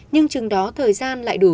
nhưng chừng đó thời gian lại đủ